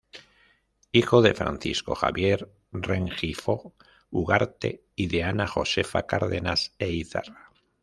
Hijo de Francisco Javier Rengifo Ugarte y de Ana Josefa Cárdenas e Izarra.